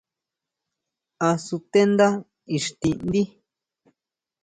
¿Á sutendá íxtiʼndí?